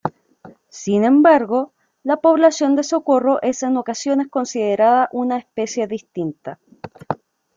Sin embargo, la población de Socorro es en ocasiones considerada una especie distinta.